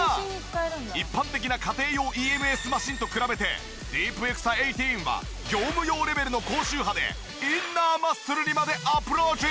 一般的な家庭用ＥＭＳマシンと比べてディープエクサ１８は業務用レベルの高周波でインナーマッスルにまでアプローチ！